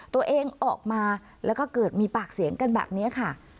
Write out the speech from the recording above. ตัวเองออกมาแล้วก็เกิดมีปากเสียงกันแบบนี้ค่ะ